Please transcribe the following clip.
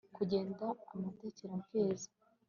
kugenda amaterekamfizi